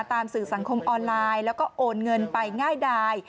สื่อสังคมออนไลน์แล้วก็โอนเงินไปง่ายดาย